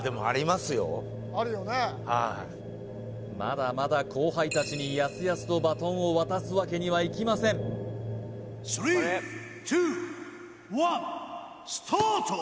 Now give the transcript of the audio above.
はいあるよねはいまだまだ後輩達にやすやすとバトンを渡すわけにはいきませんスタート